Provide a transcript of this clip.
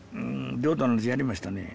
浄土の話やりましたね。